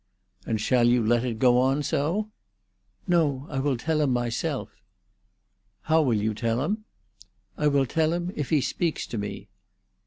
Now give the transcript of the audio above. "And shall you let it go on so?" "No. I will tell him myself." "How will you tell him?" "I will tell him if he speaks to me."